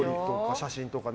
写真とかね。